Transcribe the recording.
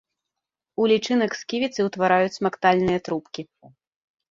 У лічынак сківіцы ўтвараюць смактальныя трубкі.